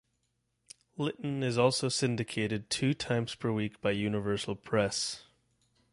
Litton is also syndicated two times per week by Universal Press.